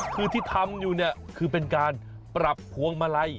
คือที่ทำอยู่เนี่ยคือเป็นการปรับพวงมาลัย